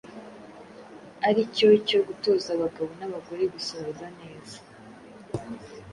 ari cyo cyo gutoza abagabo n’abagore gusohoza neza